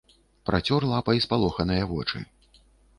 Працёр лапай спалоханыя вочы.